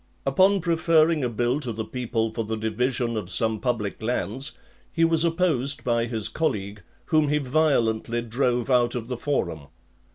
Upon preferring a bill to the people for the division of some public lands, he was opposed by his colleague, whom he violently drove out of the forum.